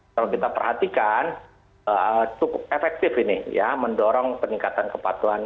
kalau kita perhatikan cukup efektif ini ya mendorong peningkatan kepatuhan